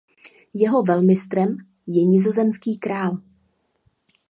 Jeho velmistrem je nizozemský král.